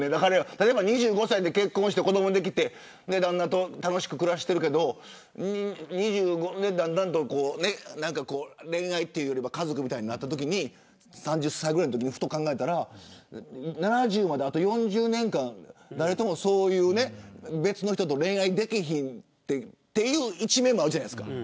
例えば２５歳で結婚して子どもができて旦那と楽しく暮らしているけど２５から恋愛というよりは家族みたいになったときに３０歳ぐらいのときにふと考えたら７０まであと４０年間別の人と恋愛できないという一面もあるじゃないですか。